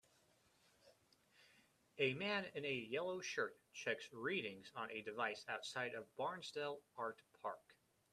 A man in a yellow shirt checks readings on a device outside of Barnsdall Art Park.